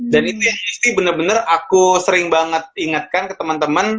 dan ini bener bener aku sering banget ingetkan ke temen temen